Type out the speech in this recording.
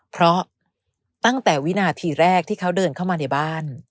เพราะตั้งแต่วินาทีแรกที่เขาเดินเข้ามาในบ้าน